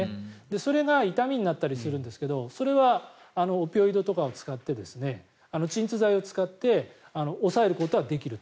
それが痛みになったりするんですがそれはオピオイドとかを使って鎮痛剤を使って抑えることはできると。